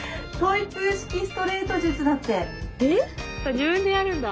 自分でやるんだ。